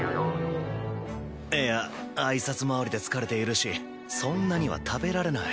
いや挨拶回りで疲れているしそんなには食べられない。